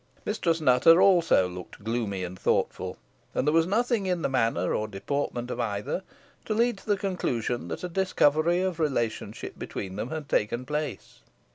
Mistress Nutter also looked gloomy and thoughtful, and there was nothing in the manner or deportment of either to lead to the conclusion, that a discovery of relationship between them had taken place.